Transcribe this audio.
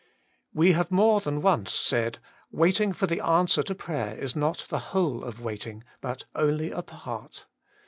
We have more than once said : Waiting for the answer to prayer is not the whole of waiting, but only a part.